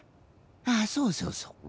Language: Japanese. あそうそうそう。